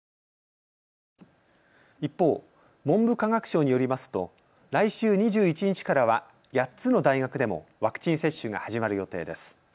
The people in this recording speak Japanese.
一方、文部科学省によりますと来週２１日からは８つの大学でもワクチン接種が始まる予定です。